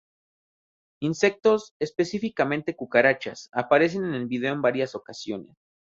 Insectos, específicamente cucarachas, aparecen en el video en varias ocasiones.